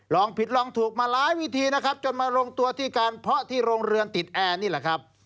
ลองผิดลองถูกมาหลายวิธีนะครับจนมาลงตัวที่การเพาะที่โรงเรือนติดแอร์นี่แหละครับ